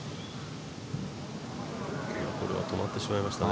これは止まってしまいましたね。